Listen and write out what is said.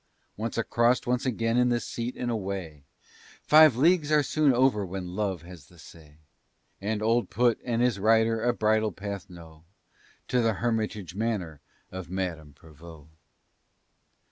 Once across, once again in the seat and away Five leagues are soon over when love has the say; And "Old Put" and his rider a bridle path know To the Hermitage manor of Madame Prevost.